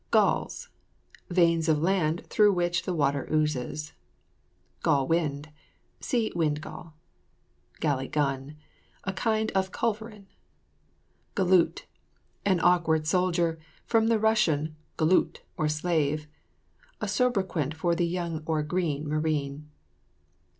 GALLS. Veins of land through which the water oozes. GALL WIND. See WIND GALL. GALLY GUN. A kind of culverin. GALOOT. An awkward soldier, from the Russian golut, or slave. A soubriquet for the young or "green" marine.